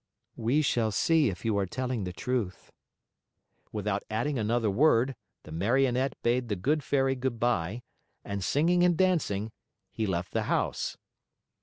"We shall see if you are telling the truth." Without adding another word, the Marionette bade the good Fairy good by, and singing and dancing, he left the house.